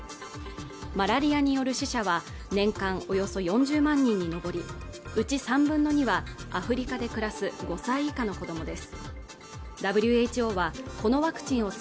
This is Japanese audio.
マラリアによる死者は年間およそ４０万人に上りうち３分の２はアフリカで暮らす５歳以下の子どもです